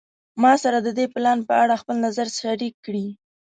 ما سره د دې پلان په اړه خپل نظر شریک کړی